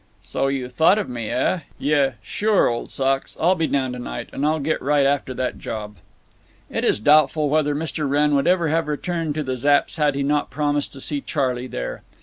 "So you thought of me, eh?… Yuh—sure, old socks. I'll be down to night. And I'll get right after that job." It is doubtful whether Mr. Wrenn would ever have returned to the Zapps' had he not promised to see Charley there.